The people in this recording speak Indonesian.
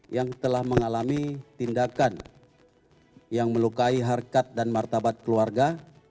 yang telah mengalami tindakan yang melukai harkat dan martabat keluarga